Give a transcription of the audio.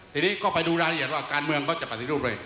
ทีนี้ก็ไปดูรายละเอียดว่าการเมืองเขาจะปฏิรูปด้วย